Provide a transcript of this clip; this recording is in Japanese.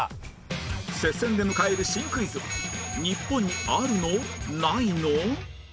接戦で迎える新クイズは日本にあるの？ないの？